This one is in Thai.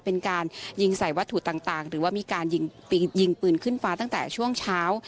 เป็นการยิงใส่วัตถุต่างหรือว่ามีการยิงปืนขึ้นฟ้าตั้งแต่ช่วงเช้า